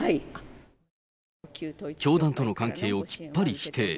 教団との関係をきっぱり否定。